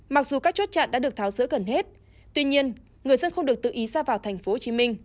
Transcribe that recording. mặc dù các chốt chặn đã được tháo rỡ gần hết tuy nhiên người dân không được tự ý ra vào tp hcm